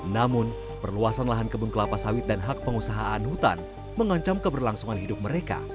namun perluasan lahan kebun kelapa sawit dan hak pengusahaan hutan mengancam keberlangsungan hidup mereka